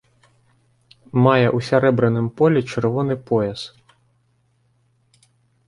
Мае ў сярэбраным полі чырвоны пояс.